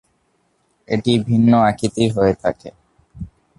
এটি বিভিন্ন আকৃতির হয়ে থাকে।